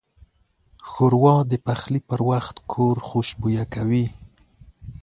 ښوروا د پخلي پر وخت کور خوشبویه کوي.